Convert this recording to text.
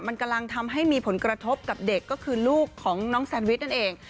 มันกำลังทำให้มีผลกระทบกับเด็กก็คือลูกของน้องแซนวิชนั่นเอง